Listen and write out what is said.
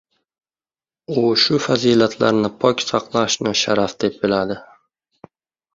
U shu fazilatlarni pok saqlashni sharaf deb bildi.